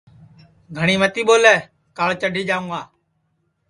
گھٹؔی متی ٻولے کاݪ چڈھی جاوں گا